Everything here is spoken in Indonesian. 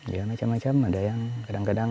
ya macam macam ada yang kadang kadang